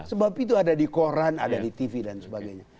sebab itu ada di koran ada di tv dan sebagainya